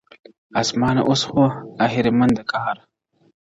آسمانه اوس خو اهریمن د قهر!.